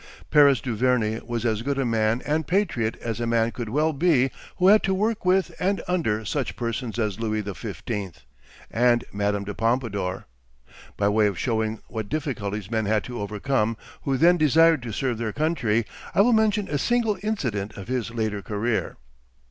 Paris Duverney was as good a man and patriot as a man could well be who had to work with and under such persons as Louis XV. and Madame de Pompadour. By way of showing what difficulties men had to overcome who then desired to serve their country, I will mention a single incident of his later career.